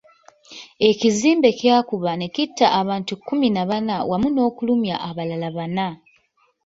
Ekizimbe kyakuba ne kitta abantu kkumi na bana wamu n'okulumya abalala bana.